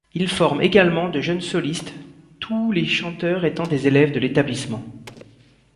Ils forment également de jeunes solistes, tous les chanteurs étant des élèves de l'établissement.